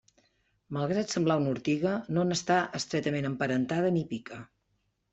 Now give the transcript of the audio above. Malgrat semblar una ortiga no n'està estretament emparentada ni pica.